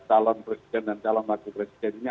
talon presiden dan talon bagi presidennya